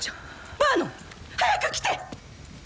バーノン早く来て！